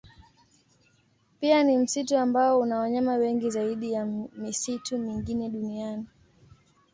Pia ni msitu ambao una wanyama wengi zaidi ya misitu mingine duniani.